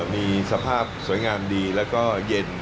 มีสภาพสวยงามดีแล้วก็เย็น